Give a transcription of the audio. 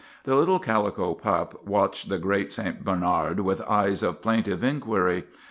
The little calico pup watched the great St. Bernard with eyes of plaintive inquiry.